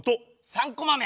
３コマ目。